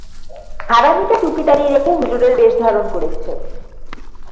হারামিটা টুপি-দাঁড়ি রেখে হুজুরের বেশ ধারণ করেছে।